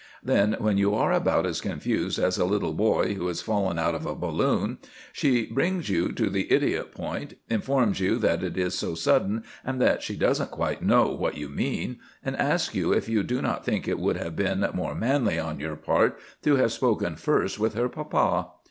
Then, when you are about as confused as a little boy who has fallen out of a balloon, she brings you to the idiot point, informs you that it is so sudden and that she doesn't quite know what you mean, and asks you if you do not think it would have been more manly on your part to have spoken first with her papa.